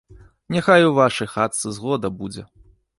Няхай у вашай хатцы згода будзе!